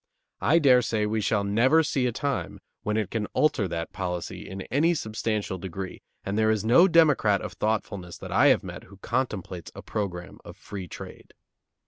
I dare say we shall never see a time when it can alter that policy in any substantial degree; and there is no Democrat of thoughtfulness that I have met who contemplates a program of free trade.